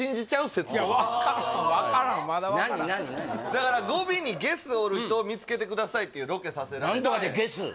だから語尾に「ゲス」おる人を見つけてくださいっていうロケさせられた何とかでゲス？